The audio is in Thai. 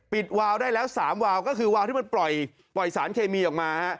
วาวได้แล้ว๓วาวก็คือวาวที่มันปล่อยสารเคมีออกมา